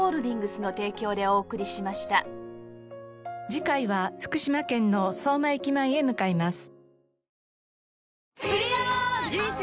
次回は福島県の相馬駅前へ向かいます。